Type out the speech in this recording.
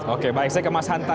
oke balik saja ke mas hanta